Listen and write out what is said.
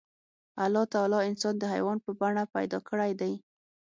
الله تعالی انسان د حيوان په بڼه پيدا کړی دی.